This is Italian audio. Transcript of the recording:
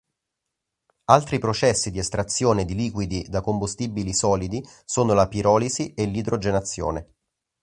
Altri processi di estrazione di liquidi da combustibili solidi sono la pirolisi e l'idrogenazione.